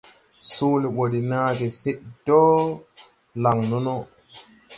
Soole ɓɔ de naage sid dɔɔ laŋ nono.